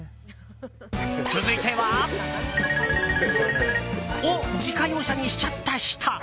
続いては。を自家用車にしちゃった人。